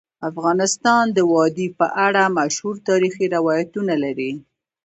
افغانستان د وادي په اړه مشهور تاریخی روایتونه لري.